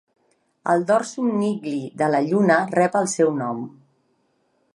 El dorsum Niggli de la Lluna rep el seu nom.